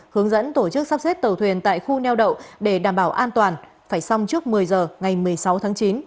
hướng dẫn tổ chức sắp xếp tàu thuyền tại khu neo đậu để đảm bảo an toàn phải xong trước một mươi giờ ngày một mươi sáu tháng chín